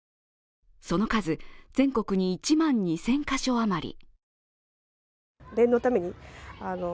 その数、全国に１万２０００カ所余り。